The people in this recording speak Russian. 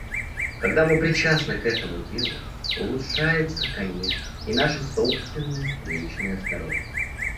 Когда мы причастны к этому делу, улучшается, конечно, и наше собственное, личное здоровье.